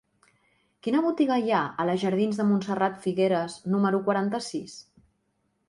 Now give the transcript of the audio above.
Quina botiga hi ha a la jardins de Montserrat Figueras número quaranta-sis?